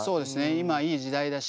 今いい時代だし。